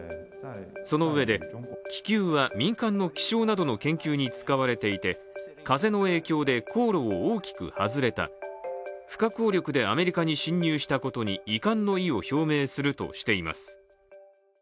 そのうえで、気球は民間の気象などの研究に使われていて風の影響で航路を大きく外れた不可抗力でアメリカに侵入したことに遺憾の意を表明するとしています。